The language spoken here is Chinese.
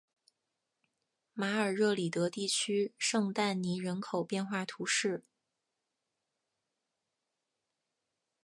马尔热里德地区圣但尼人口变化图示